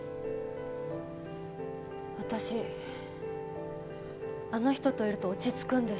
私あの人といると落ち着くんです！